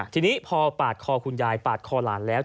ทีนี้พอปาดคอคุณยายปาดคอหลานแล้ว